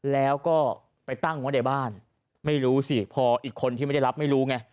แล้วก็ไปตั้งไว้ในบ้านไม่รู้สิพออีกคนที่ไม่ได้รับไม่รู้ไง